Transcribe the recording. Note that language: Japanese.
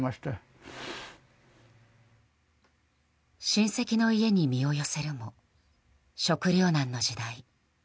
親戚の家に身を寄せるも食糧難の時代。